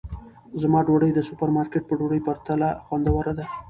زما ډوډۍ د سوپرمارکېټ په ډوډۍ پرتله خوندوره ده.